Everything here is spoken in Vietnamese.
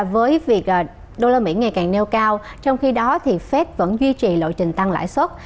với việc usd ngày càng nêu cao trong khi đó fed vẫn duy trì lộ trình tăng lãi xuất